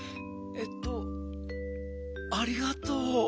えっとありがとう。